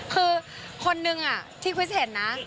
คือคนนึงที่คริสเห็นนะ